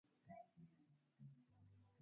duniani kote na miji yake vijiji na maajabu ya